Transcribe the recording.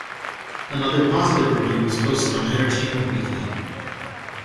Another positive review was posted on "Entertainment Weekly".